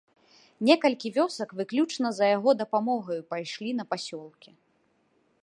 Некалькі вёсак выключна за яго дапамогаю пайшлі на пасёлкі.